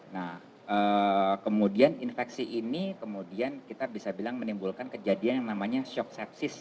nah kemudian infeksi ini kemudian kita bisa bilang menimbulkan kejadian yang namanya shock sepsis